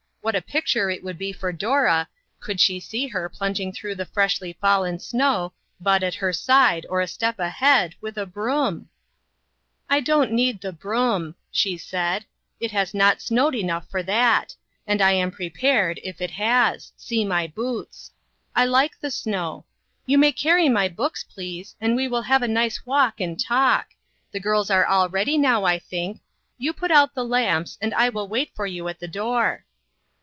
What a picture it would be for Dora, could she see her plung ing through the freshly fallen snow, Bud at her side, or a step ahead, with a broom ! "I don't need the broom," she said; "it has not snowed enough for that ; and I am prepared, if it has ; see my boots. I like the snow. You may carry my books, please, and we will have a nice walk and talk. The girls are all ready now, I think. You put out the lamps, and I will wait for you at the door."